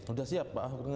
udah siap pak